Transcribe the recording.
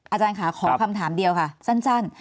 อาจารย์ขอคำถามเดียวค่ะตั้งสั้น